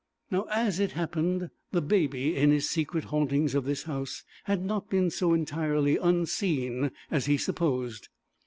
Now, as it happened, the Baby in his secret hauntings of this house had not been so entirely unseen as he supposed.